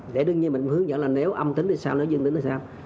để đương nhiên mình hướng dẫn là nếu âm tính thì sao nó dương tính thì sao